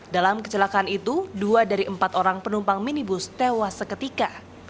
dalam kecelakaan itu dua dari empat orang penumpang minibus tewas seketika